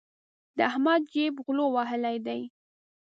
د احمد جېب غلو وهلی دی.